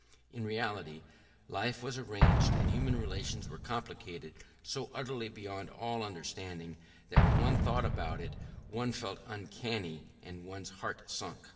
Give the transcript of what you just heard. In reality, life was arranged and human relations were complicated so utterly beyond all understanding that when one thought about it one felt uncanny and one's heart sank.